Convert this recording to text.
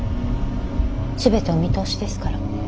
全てお見通しですから。